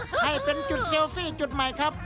ให้เป็นจุดเซลฟี่จุดใหม่ครับ